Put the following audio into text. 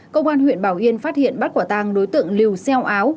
công an huyện bảo yên phát hiện bắt quả tang đối tượng lưu xeo áo